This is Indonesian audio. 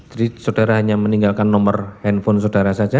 jadi saudara hanya meninggalkan nomor handphone saudara saja